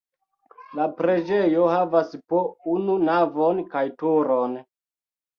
La preĝejo havas po unu navon kaj turon.